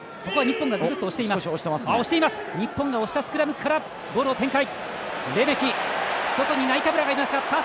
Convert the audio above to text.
日本が押したスクラムからボールを展開。